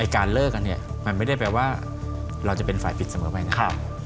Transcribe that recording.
การเลิกกันเนี่ยมันไม่ได้แปลว่าเราจะเป็นฝ่ายผิดเสมอไปนะ